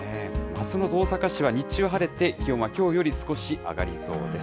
あすの大阪市は日中晴れて、気温はきょうより少し上がりそうです。